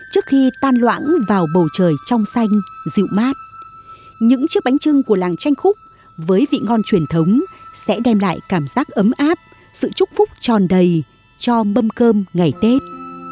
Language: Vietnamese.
trước khi tan loãng vào bầu trời trong xanh dịu mát những chiếc bánh trưng của làng tranh khúc với vị ngon truyền thống sẽ đem lại cảm giác ấm áp sự trúc phúc tròn đầy cho mâm cơm ngày tết